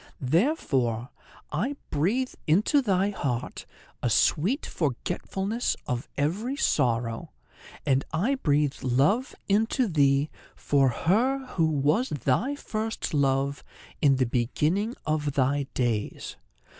Therefore I breathe into thy heart a sweet forgetfulness of every sorrow, and I breathe love into thee for her who was thy first love in the beginning of thy days.